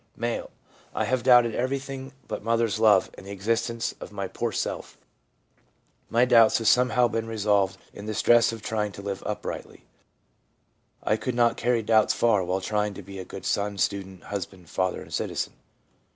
M. ' Have doubted every thing but a mother's love, and the existence of my poor self. My doubts have somehow been resolved in the stress of trying to live uprightly. I could not carry doubts far while trying to be a good son, student, husband, father and citizen.'